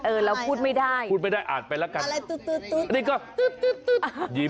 เออแล้วพูดไม่ได้พูดไม่ได้อ่านไปละกันอะไรตุ๊ดตุ๊ดอันนี้ก็ตุ๊ดตุ๊ดยิ้ม